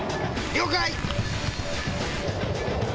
了解！